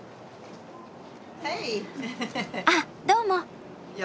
あっどうも！